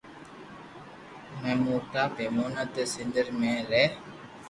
جي موٽا پيمونا تي سندھ مي رھي